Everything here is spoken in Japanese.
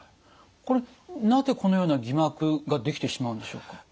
これなぜこのような偽膜が出来てしまうんでしょうか？